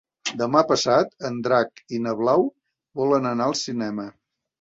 Demà passat en Drac i na Blau volen anar al cinema.